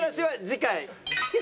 次回！？